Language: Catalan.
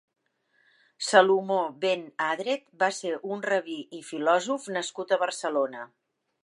Salomó ben Adret va ser un rabí i filòsof nascut a Barcelona.